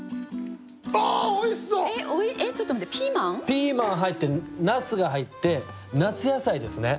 ピーマン入ってナスが入って夏野菜ですね。